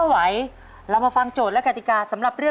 ไหวนะ